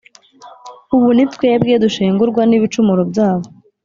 ubu ni twebwe dushengurwa n’ibicumuro byabo.